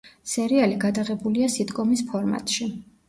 სერიალი გადაღებულია სიტკომის ფორმატში.